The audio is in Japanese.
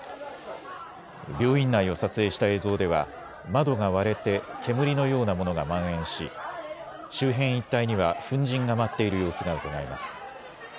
病院内を撮影した映像では窓が割れて煙のようなものがまん延し周辺一帯には粉じんが舞っている様子がうかがえます。